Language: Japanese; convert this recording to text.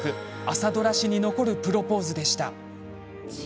朝ドラ史に残るプロポーズでした。